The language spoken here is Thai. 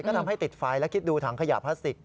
ก็ทำให้ติดไฟและคิดดูถังขยะพลาสติก